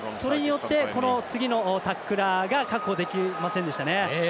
それによって、次のタックラーが確保できませんでしたよね。